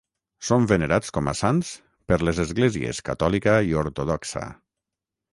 Són venerats com a sants per les Esglésies Catòlica i Ortodoxa.